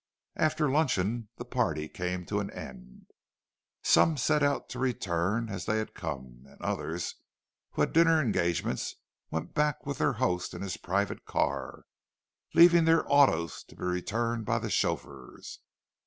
After luncheon, the party came to an end. Some set out to return as they had come; and others, who had dinner engagements, went back with their host in his private car, leaving their autos to be returned by the chauffeurs.